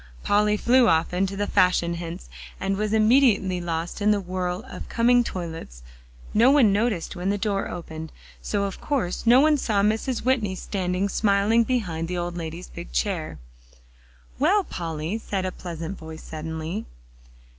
Polly flew off into the fashion hints, and was immediately lost in the whirl of coming toilets. No one noticed when the door opened, so of course no one saw Mrs. Whitney standing smiling behind the old lady's big chair. "Well, Polly," said a pleasant voice suddenly.